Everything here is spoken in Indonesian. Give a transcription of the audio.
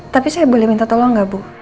tapi saya boleh minta tolong gak bu